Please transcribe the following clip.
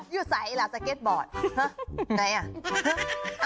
อยู่ใสเหรอสเก็ตบอร์ดห้ะไหนอ่ะ